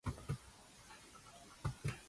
სანაპირო კეთილმოწყობილია საკურორტო პლაჟით.